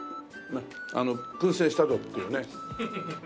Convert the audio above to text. あの燻製したぞっていうね。